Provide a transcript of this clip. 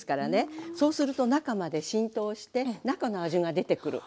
そうすると中まで浸透して中の味が出てくる。